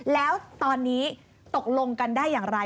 แล้วตอนนี้ตกลงกันได้อย่างไร